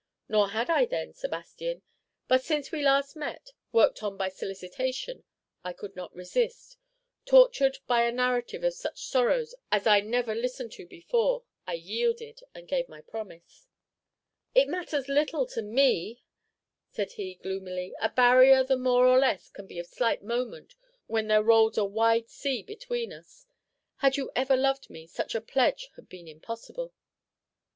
"Nor had I then, Sebastian; but since we last met, worked on by solicitation, I could not resist; tortured by a narrative of such sorrows as I never listened to before, I yielded, and gave my promise." "It matters little to me!" said he, gloomily; "a barrier the more or the less can be of slight moment when there rolls a wide sea between us! Had you ever loved me, such a pledge had been impossible."